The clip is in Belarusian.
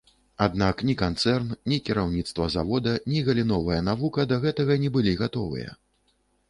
Аднак ні канцэрн, ні кіраўніцтва завода, ні галіновая навука да гэтага не былі гатовыя.